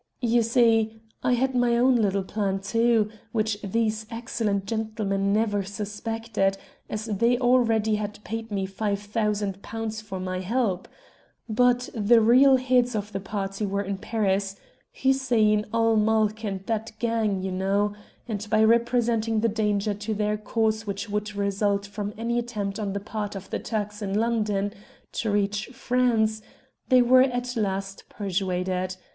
You see, I had my own little plan, too, which these excellent gentlemen never suspected, as they already had paid me £5,000 for my help. But the real heads of the party were in Paris Hussein ul Mulk and that gang, you know and by representing the danger to their cause which would result from any attempt on the part of the Turks in London to reach France, they were at last persuaded.